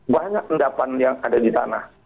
banyak endapan yang ada di tanah